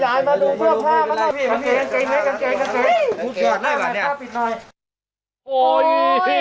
ไม่เป็นไร